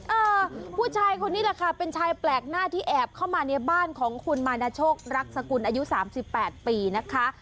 เออผู้ชายคนนี้แหละค่ะเป็นชายแปลกหน้าที่แอบเข้ามาในบ้านของคุณมานาโชครักษกุลอายุ๓๘ปีนะคะ